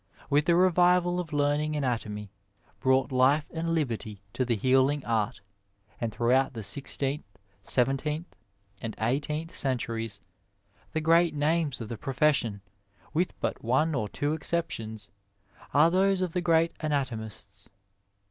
With the revival of learning anatomy brought life and liberty to the healing art, and thronghont the sixteenth, seventeenth, and eighteenth centuries the great names of the profession, with but one or two exceptions, are those of the great anat omists.